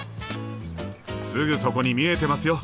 すぐそこに見えてますよ！